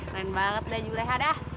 nen banget neng julehada